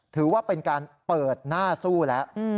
ถือว่าเป็นการเปิดหน้าสู้แล้ว